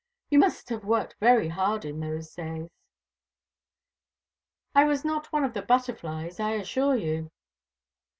You must have worked very hard in those days." "I was not one of the butterflies, I assure you."